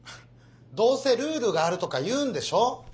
どうせ「ルールがある」とか言うんでしょ？